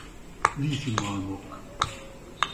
Vízi malmok.